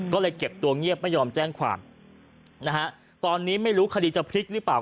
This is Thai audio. ก็เลยเก็บตัวเงียบไม่ยอมแจ้งความนะฮะตอนนี้ไม่รู้คดีจะพลิกหรือเปล่า